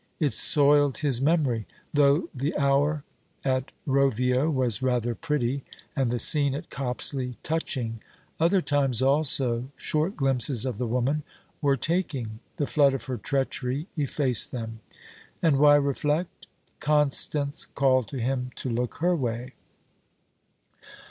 It soiled his memory: though the hour at Rovio was rather pretty, and the scene at Copsley touching: other times also, short glimpses of the woman, were taking. The flood of her treachery effaced them. And why reflect? Constance called to him to look her way.